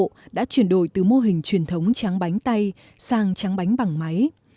trong đó có ba hộ đã chuyển đổi từ mô hình truyền thống tráng bánh tay sang tráng bánh bằng máy